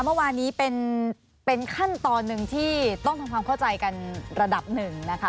เมื่อวานนี้เป็นขั้นตอนหนึ่งที่ต้องทำความเข้าใจกันระดับหนึ่งนะคะ